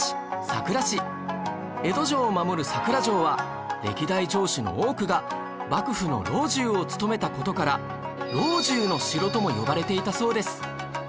佐倉城は歴代城主の多くが幕府の老中を務めた事から老中の城とも呼ばれていたそうです